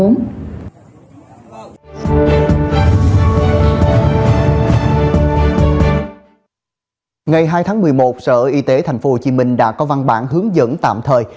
ngày hai tháng một mươi một sở y tế tp hcm đã có văn bản hướng dẫn tạm thời